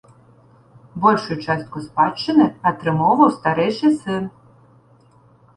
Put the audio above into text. Большую частку спадчыны атрымоўваў старэйшы сын.